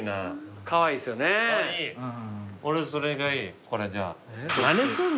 俺それがいいこれじゃあ。